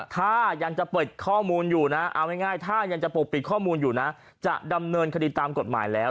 ถ้ายังจะปกปิดข้อมูลอยู่นะจะดำเนินคดีตามกฎหมายแล้ว